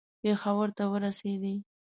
پېښور ته ورسېدی.